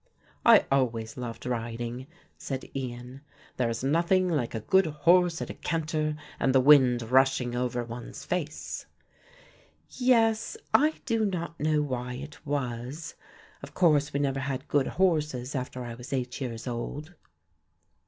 "I always loved riding," said Ian. "There is nothing like a good horse at a canter and the wind rushing over one's face." "Yes, I do not know why it was. Of course we never had good horses after I was eight years old."